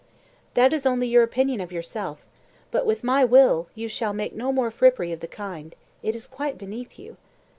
"That is only your opinion of yourself. But with my will, you shall make no more frippery of the kind. It is quite beneath you."